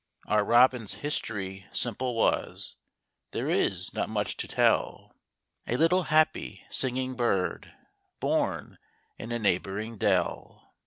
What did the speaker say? Our Robin's history simple was, There is not much to tell, — A little happy singing bird, Born in a neighboring dell.